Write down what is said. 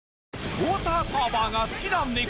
ウォーターサーバーが好きなネコ